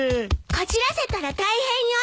こじらせたら大変よ。